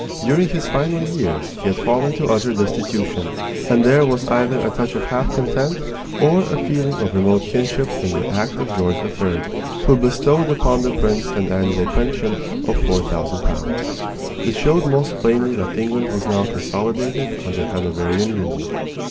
During his final years he had fallen to utter destitution, and there was either a touch of half contempt or a feeling of remote kinship in the act of George III., who bestowed upon the prince an annual pension of four thousand pounds. It showed most plainly that England was now consolidated under Hanoverian rule.